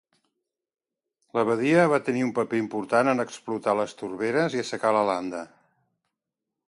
L'abadia va tenir un paper important en explotar les torberes i assecar la landa.